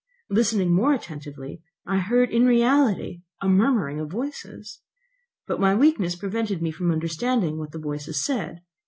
Listening more attentively, I heard in reality a murmuring of voices. But my weakness prevented me from understanding what the voices said.